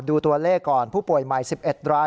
ดูตัวเลขก่อนผู้ป่วยใหม่๑๑ราย